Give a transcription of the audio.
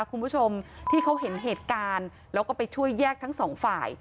คุณผู้ชมที่เขาเห็นเหตุการณ์แล้วก็ไปช่วยแยกทั้งสองฝ่าย